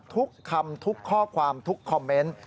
ทุกคำทุกข้อความทุกคอมเมนต์